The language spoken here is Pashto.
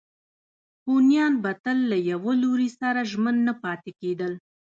هونیان به تل له یوه لوري سره ژمن نه پاتې کېدل.